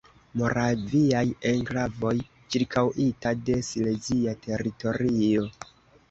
Moraviaj enklavoj ĉirkaŭita de silezia teritorio.